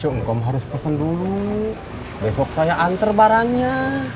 sungkom harus pesen dulu besok saya antar barangnya